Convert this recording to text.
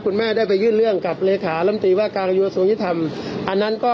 คุณแม่ได้ไปยื่นเรื่องกับเลขาลำตีว่าการกระทรวงยุทธรรมอันนั้นก็